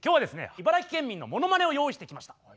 茨城県民のものまねを用意してきました。